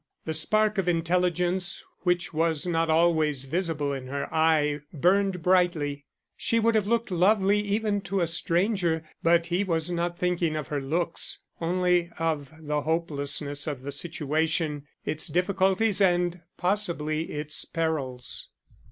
The spark of intelligence which was not always visible in her eye burned brightly. She would have looked lovely even to a stranger, but he was not thinking of her looks, only of the hopelessness of the situation, its difficulties and possibly its perils.